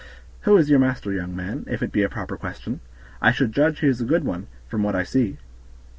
"Who is your master, young man? if it be a proper question. I should judge he is a good one, from what I see."